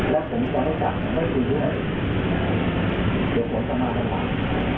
แล้วผมจะไม่กลับผมไม่คุยด้วยเดี๋ยวผมจะมาทำไม